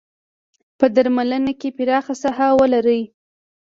په درملنه کې پراخه ساحه ولري.